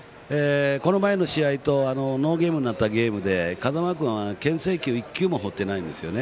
この前の試合とノーゲームになったゲームで風間君はけん制球１球も放ってないですね。